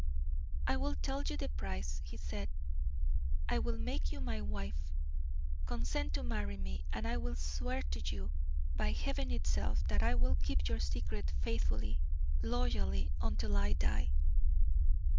"I will tell you the price," he said; "I will make you my wife. Consent to marry me, and I will swear to you, by heaven itself, that I will keep your secret faithfully, loyally, until I die."